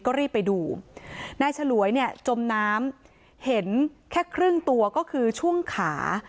ก็รีบไปดูนายฉลวยเนี่ยจมน้ำเห็นแค่ครึ่งตัวก็คือช่วงขา